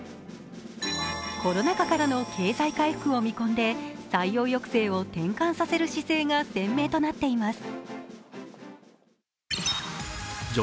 コロナ禍からの経済回復を見込んで採用抑制を転換させる姿勢が鮮明となっています。